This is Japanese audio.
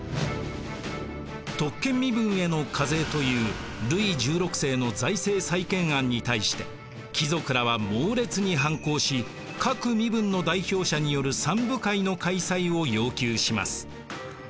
特権身分への課税というルイ１６世の財政再建案に対して貴族らは猛烈に反抗し各身分の代表者による三部会の開催を要求します。